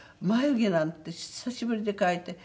眉毛なんて久しぶりに描いて。